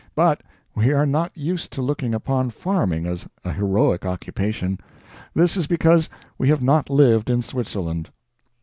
But we are not used to looking upon farming as a heroic occupation. This is because we have not lived in Switzerland.